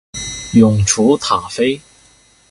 永雏塔菲